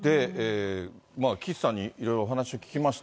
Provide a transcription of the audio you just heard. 岸さんにいろいろお話を聞きました。